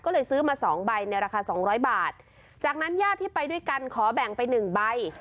ก็เลยซื้อมาสองใบในราคาสองร้อยบาทจากนั้นญาติที่ไปด้วยกันขอแบ่งไปหนึ่งใบ